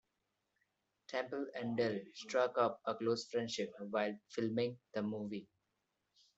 Temple and Dell struck up a close friendship while filming the movie.